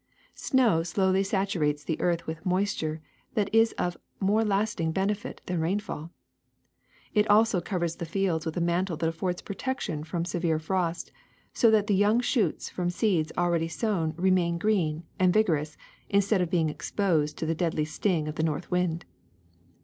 Snow slowly saturates the earth with moisture that is of more lasting bene fit than a rainfall. It also covers the fields with a mantle that affords protection from severe frost, so that the young shoots from seeds recently sown re main green and vigorous instead of being exposed to the deadly sting of the north wind.